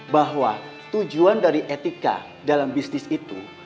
bahwa tujuan dari etika dalam bisnis itu